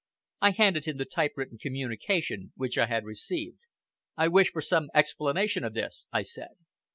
I handed him the typewritten communication which I had received. "I wish for some explanation of this," I said.